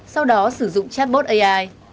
sau đó sử dụng chatbot ai